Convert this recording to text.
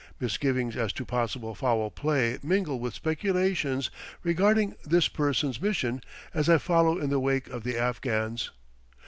Misgivings as to possible foul play mingle with speculations regarding this person's mission, as I follow in the wake of the Afghans.